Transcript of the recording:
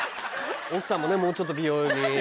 奥さんもねもうちょっと美容に。